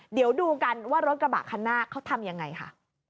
เดี๋ยวดูกันว่ารถกระบะคันหน้าเขาทำยังไงค่ะ